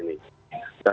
dan kondisi mereka